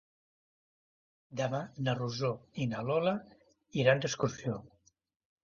Demà na Rosó i na Lola iran d'excursió.